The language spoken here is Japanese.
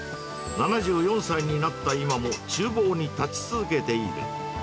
７４歳になった今も、ちゅう房に立ち続けている。